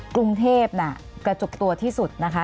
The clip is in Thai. กรุงเทพน่ะกระจุกตัวที่สุดนะคะ